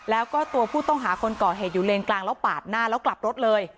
แล้วก็ตัวผู้ต้องหาคนก่อเหตุอยู่เลนกลางแล้วปาดหน้าแล้วกลับรถเลย